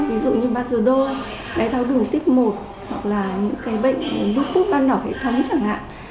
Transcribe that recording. ví dụ như bazodol đáy tháo đủ tích một hoặc là những bệnh bút bút ban đỏ hệ thống chẳng hạn